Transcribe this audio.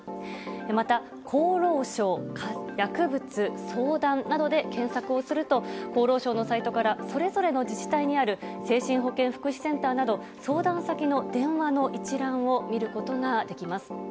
また「厚労省薬物相談」などで検索をすると厚労省のサイトからそれぞれの自治体にある精神保健福祉センターなど相談先の電話の一覧を見ることができます。